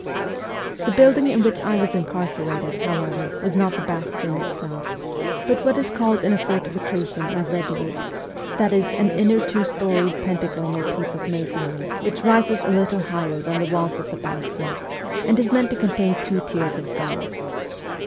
The building in which I was incarcerated, however, was not the bastion itself, but what is called in a fortification a reduit ; that is, an inner two storied pentagonal piece of masonry which rises a little higher than the walls of the bastion, and is meant to contain two tiers of guns.